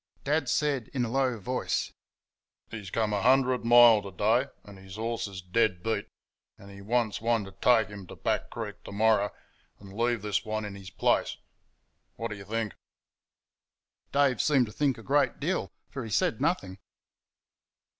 Dad said in a low voice: "He's come a hundred mile to day, 'n' his horse is dead beat, 'n' he wants one t' take him t' Back Creek t'morrer 'n' leave this one in his place...Wot d'y' think?" Dave seemed to think a great deal, for he said nothing.